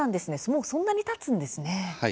もうそんなに、たつんですね。